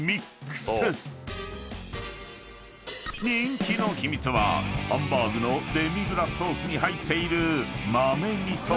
［人気の秘密はハンバーグのデミグラスソースに入っている］